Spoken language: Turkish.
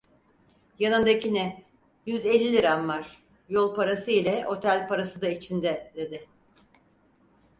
Yanındakine: "Yüz elli liram var, yol parası ile otel parası da içinde!" dedi.